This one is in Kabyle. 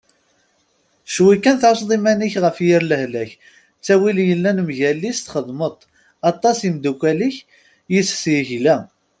Cwi kan tεusseḍ iman-ik ɣef yir lehlak, ttawil yellan mgal-is txedmeḍ-t, aṭas imeddukal-ik yes-s yegla.